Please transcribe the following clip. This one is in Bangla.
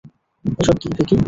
এসব কী, ভিকি?